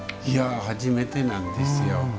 初めてなんですよ。